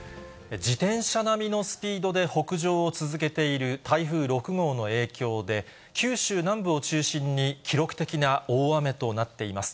自転車並みのスピードで北上を続けている台風６号の影響で、九州南部を中心に記録的な大雨となっています。